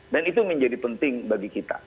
dan itu menjadi penting bagi kita